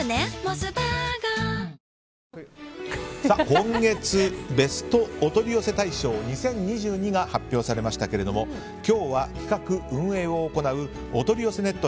今月ベストお取り寄せ大賞２０２２が発表されましたが今日は企画・運営を行うおとりよせネット